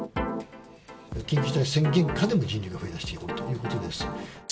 緊急事態宣言下でも人流が増えてきておるということです。